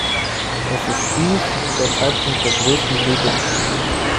Es ist dies der Zeitpunkt der größten Blütezeit.